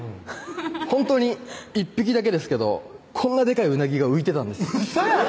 ほんとに１匹だけですけどこんなでかい鰻が浮いてたんですウソやろ？